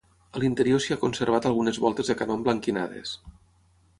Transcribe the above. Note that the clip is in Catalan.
A l'interior s'hi ha conservat algunes voltes de canó emblanquinades.